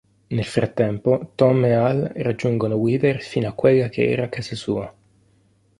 Nel frattempo Tom e Hal raggiungono Weaver fino a quella che era casa sua.